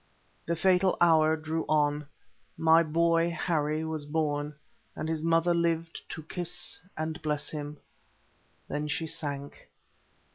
The fatal hour drew on. My boy Harry was born, and his mother lived to kiss and bless him. Then she sank.